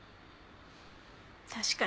確かに。